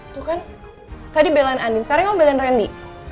tuh kan tadi belain andien sekarang kamu belain randy